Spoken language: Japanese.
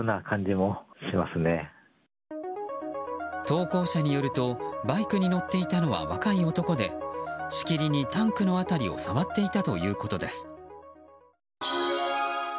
投稿者によるとバイクに乗っていたのは若い男でしきりにタンクの辺りを触っていたということです。